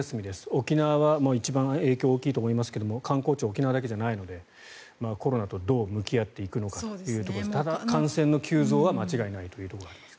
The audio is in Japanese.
沖縄は一番影響が大きいと思いますが観光地は沖縄だけじゃないのでコロナとどう向き合っていくのかただ、感染の急増は間違いないというところがあります。